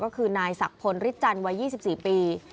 ก็คือนายศักดิ์พลฤทจันทร์วัย๒๔ปี